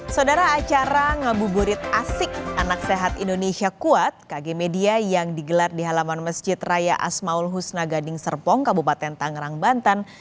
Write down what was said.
saudara acara ngabuburit asik anak sehat indonesia kuat kg media yang digelar di halaman masjid raya asmaul husna gading serpong kabupaten tangerang banten